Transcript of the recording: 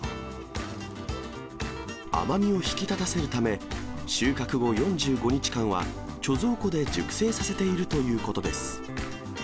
甘みを引き立たせるため、収穫後４５日間は貯蔵庫で熟成させているということです。